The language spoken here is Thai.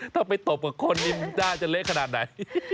ถ้าไปตบกับคนนี่น่าจะเละขนาดไหน